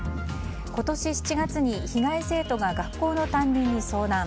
今年７月に被害生徒が学校の担任に相談。